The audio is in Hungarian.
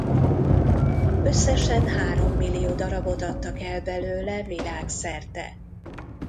Összesen három millió darabot adtak el belőle világszerte.